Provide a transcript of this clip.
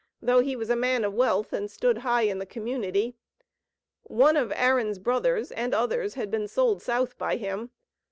though he was a man of wealth and stood high in the community. One of Aaron's brothers, and others, had been sold South by him.